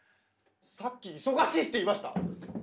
さっき「忙しい」って言いました？